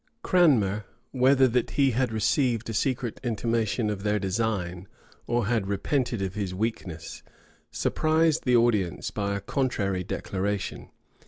Cranmer, whether that he had received a secret intimation of their design, or had repented of his weakness, surprised the audience by a contrary declaration.